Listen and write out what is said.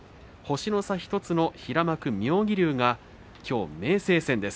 星の差１つの平幕妙義龍がきょう明生戦です。